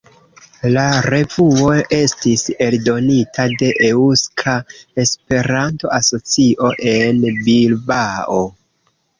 La revuo estis eldonita de Eŭska Esperanto-Asocio en Bilbao.